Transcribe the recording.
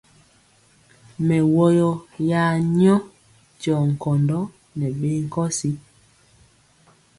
Mɛwɔyɔ ya nyɔ tyɔ nkɔndɔ nɛ ɓee nkɔsi.